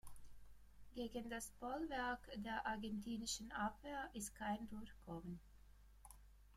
Gegen das Bollwerk der argentinischen Abwehr ist kein Durchkommen.